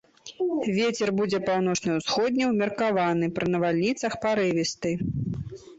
Вецер будзе паўночна-ўсходні ўмеркаваны, пры навальніцах парывісты.